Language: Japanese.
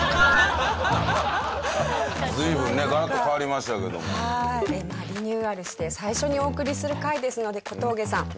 まあリニューアルして最初にお送りする回ですので小峠さん